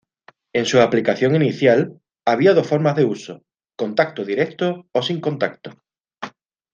En su aplicación inicial, había dos formas de uso: contacto directo o sin contacto.